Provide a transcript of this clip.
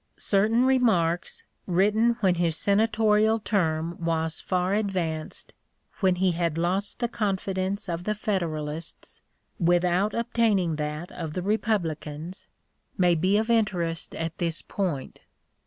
Certain remarks, written when his senatorial term was far advanced, when he had lost the confidence of the Federalists without obtaining that of the Republicans, may be of interest at this point.